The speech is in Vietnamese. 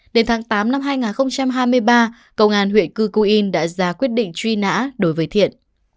đến tháng tám năm hai nghìn hai mươi ba công an huyện cư cù yên đã ra quyết định truy nã đối với thiện